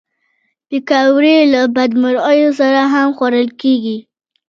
پکورې له بدمرغیو سره هم خوړل کېږي